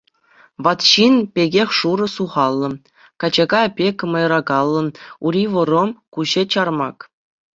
Ват ҫын пекех шур сухаллӑ, качака пек мӑйракаллӑ, ури вӑрӑм, куҫӗ чармак.